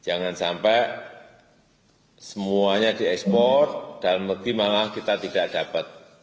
jangan sampai semuanya diekspor dalam negeri malah kita tidak dapat